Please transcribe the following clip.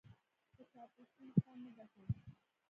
په چاپلوسۍ مقام مه ګټئ.